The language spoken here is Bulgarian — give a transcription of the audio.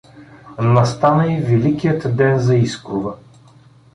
Настана и великият ден за Искрова.